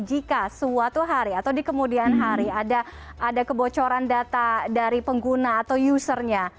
jika suatu hari atau di kemudian hari ada kebocoran data dari pengguna atau usernya